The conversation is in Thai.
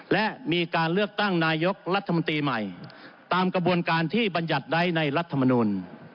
และเป็นทางยกรัฐมนตรีใหม่ตามกระบวนการที่บรรยัตน์ได้ในรัฐมนุน